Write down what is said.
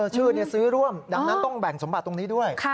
ชื่อซื้อร่วมดังนั้นต้องแบ่งสมบัติตรงนี้ด้วย